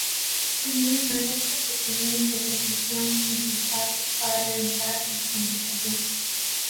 E tamén en alerta, pois temíase a intervención de 'infiltrados' para rebentar as manifestacións.